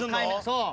そう。